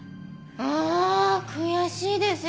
ああ悔しいですよね。